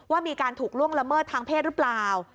ว่ามีการถูกล่วงละเมิดทางเพศหรือเปล่า